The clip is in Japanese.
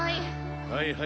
はい。